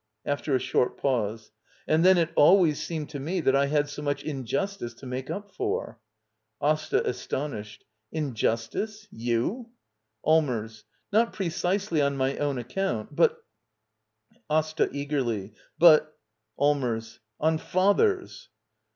[After a short pause.] And then it always ^^'^med to me that I had so much injustice to make up for. Asta. [Astonished.] Injustice? Youf Allmers. Not precisely on my own account. But — Asta. [Eagerly.] But —? Allmers. On father's.